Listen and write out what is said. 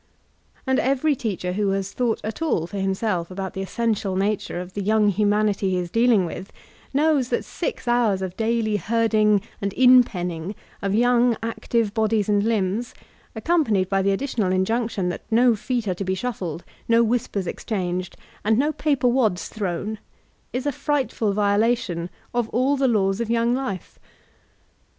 And every teacher who has thought at all for him self about the essential nature of the young humanity he is dealing with, knows that six hours of daily herding and in penning of young, active bodies and limbs, accom panied by the additional injunction that no feet are to be shuffled, no whispers exchanged, and no paper wads thrown, is a frightful violation of all the laws of young life.